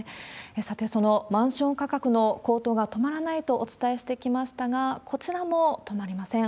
さて、そのマンション価格の高騰が止まらないとお伝えしてきましたが、こちらも止まりません。